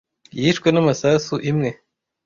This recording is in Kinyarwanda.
Yishwe n'amasasu imwe.